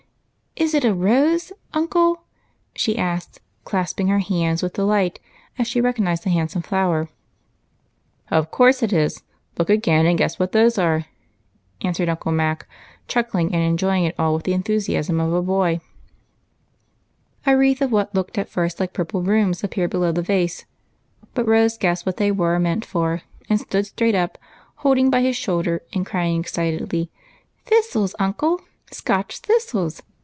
"Is it a rose, uncle ?" she asked, clasping her hands with delight as she recognized the handsome flower. " Of course it is ! Look again, and gness what those are," answered Uncle Mac, chuckling and enjoy ing it all like a boy. A wreath of what looked at first like purple brooms appeared below the vase, but Rose guessed what they were meant for and stood straight up, holding by his shoulder, and crying excitedly, —" Thistles, uncle, Scotch thistles